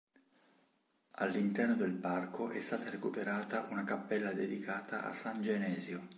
All'interno del parco è stata recuperata una cappella dedicata a San Genesio.